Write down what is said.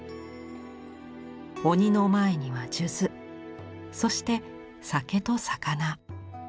鬼の前には数珠そして酒と魚。